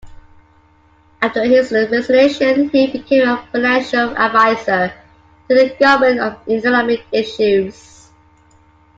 After his resignation he became a financial advisor to the government on economic issues.